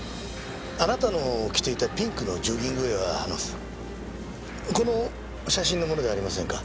あなたの着ていたピンクのジョギングウェアはこの写真のものではありませんか？